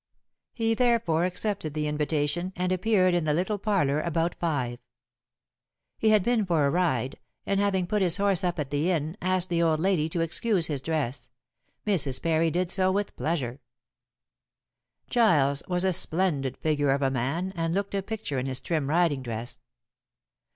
He therefore accepted the invitation, and appeared in the little parlor about five. He had been for a ride, and having put his horse up at the inn, asked the old lady to excuse his dress. Mrs. Parry did so with pleasure. Giles was a splendid figure of a man, and looked a picture in his trim riding dress.